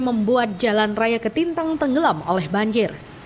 membuat jalan raya ke tintang tenggelam oleh banjir